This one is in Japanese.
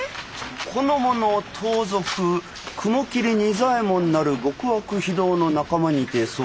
「この者盗賊雲霧仁左衛門なる極悪非道の仲間にて候。